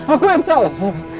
aku yang salah